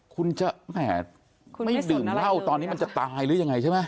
คุณจะแหมไม่ดื่มเหล้าตอนนี้มันจะตายหรือยังไงใช่ไหม